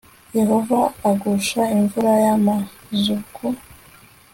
yehova agusha imvura y amazuku